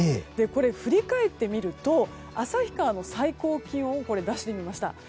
これ、振り返ってみると旭川の最高気温を出してみました。